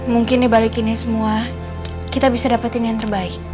mungkin dibalikinnya semua kita bisa dapetin yang terbaik